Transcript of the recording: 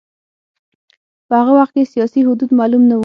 په هغه وخت کې سیاسي حدود معلوم نه و.